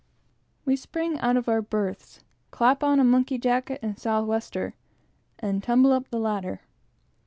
We spring out of our berths, clap on a monkey jacket and southwester, and tumble up the ladder.